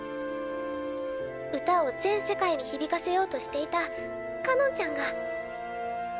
歌を全世界に響かせようとしていたかのんちゃんが。